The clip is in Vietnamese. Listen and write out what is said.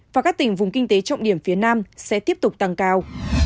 và các tỉnh vùng kinh tế trọng điểm phía nam sẽ tiếp tục tăng cao